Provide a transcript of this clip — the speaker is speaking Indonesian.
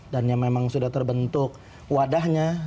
dan yang memang sudah terbentuk wadahnya